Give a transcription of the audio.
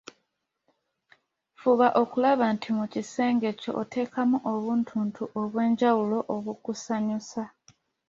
Fuba okulaba nti mu kisenge kyo oteekamu obuntuntu obw‘enjawulo obukusanyusa.